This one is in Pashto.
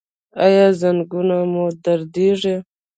ایا زنګونونه مو دردیږي؟